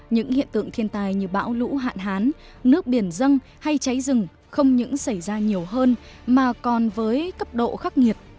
những hiện tượng thiên tài như bão lũ hạn hán nước biển dâng hay cháy rừng không những xảy ra nhiều hơn mà còn với cấp độ khắc nghiệt